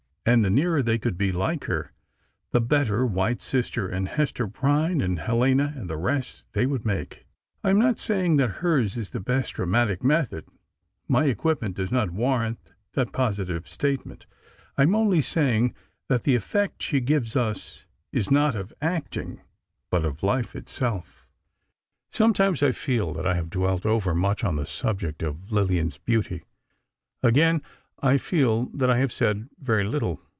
And the nearer they could be like her, the better White Sister and Hester Prynne and Helena and the rest, they would make. I am not saying that hers is the best dramatic method—my equipment does not warrant that positive statement—I am only saying that the effect she gives us is not of acting, but of life itself. Sometimes I feel that I have dwelt overmuch on the subject of Lillian's beauty; again, I feel that I have said very little.